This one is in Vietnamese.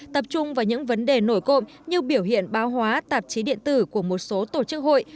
tập trung vào những vấn đề nổi cộng như biểu hiện báo hóa tạp chí điện tử của một số tổ chức hội